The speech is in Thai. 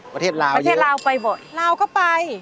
ประเทศลาวประเทศลาวไปบ่อยลาวก็ไป